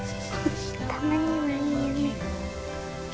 たまにはいいよね？